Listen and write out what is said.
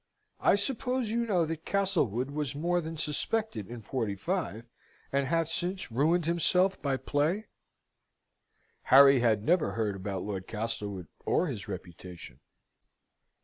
I suppose you know that Castlewood was more than suspected in '45, and hath since ruined himself by play?" Harry had never heard about Lord Castlewood or his reputation.